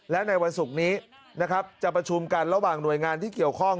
และในวันศุกร์นี้นะครับจะประชุมกันระหว่างหน่วยงานที่เกี่ยวข้อง